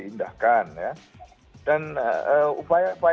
kalau memang cara cara yang itu tidak berhasil